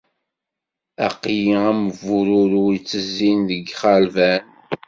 Aql-i am bururu ittezzin deg yixerban.